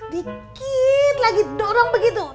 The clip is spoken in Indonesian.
dikit lagi dorong begitu